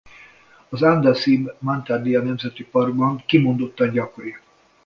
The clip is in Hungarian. Az Andasibe-Mantadia Nemzeti Parkban kimondottan gyakori.